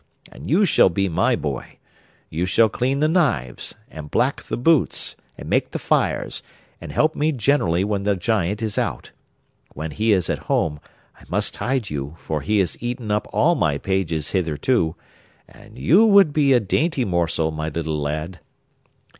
And you shall be my boy. You shall clean the knives, and black the boots, and make the fires, and help me generally when the giant is out. When he is at home I must hide you, for he has eaten up all my pages hitherto, and you would be a dainty morsel, my little lad.